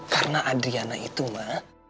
karena adriana itu ma